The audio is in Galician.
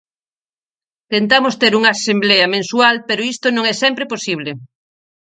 Tentamos ter unha asemblea mensual, pero isto non é sempre posible.